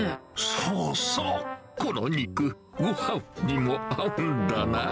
そうそう、この肉、ごはんにも合うんだな。